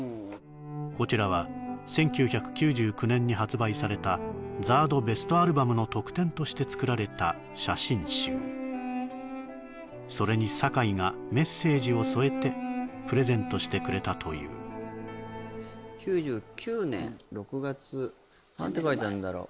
こちらは１９９９年に発売されたＺＡＲＤベストアルバムの特典として作られた写真集それに坂井がメッセージを添えてプレゼントしてくれたという９９年６月何て書いてあるんだろう？